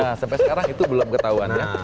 nah sampai sekarang itu belum ketahuannya